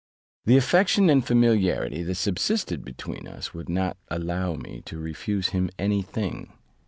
The affection and familiarity that subsisted between us would not allow me to refuse him any thing.